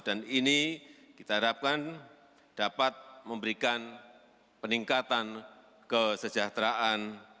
dan ini kita harapkan dapat memberikan peningkatan kesejahteraan